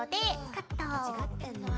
カット。